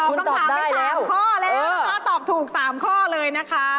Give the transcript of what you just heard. โอ๊ยคุณตอบได้แล้วตอบคำถามได้๓ข้อแล้วตอบถูก๓ข้อเลยนะคะ